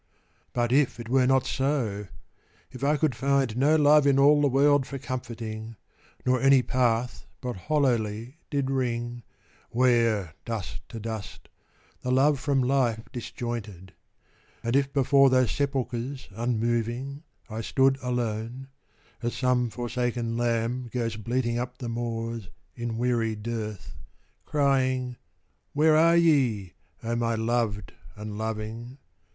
But if it were not so, — if I could find No love in all the world for comforting, Nor any path but hollowly did ring, Where "dust to dust"the love from life disjoined And if before those sepulchres unmoving I stood alone (as some forsaken lamb Goes bleating up the moors in weary dearth), Crying, " Where are ye, O my loved and loving?"